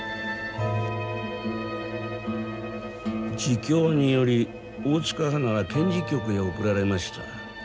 自供により大塚ハナは検事局へ送られました。